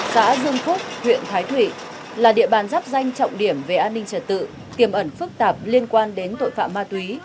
xã dương phúc huyện thái thủy là địa bàn dắp danh trọng điểm về an ninh trật tự kiểm ẩn phức tạp liên quan đến tội phạm ma túy